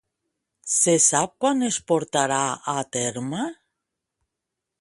Se sap quan es portarà a terme?